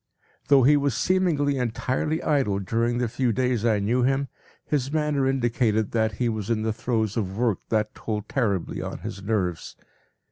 Though he was seemingly entirely idle during the few days I knew him, his manner indicated that he was in the throes of work that told terribly on his nerves.